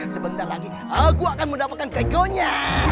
sebentar lagi aku akan mendapatkan tekonya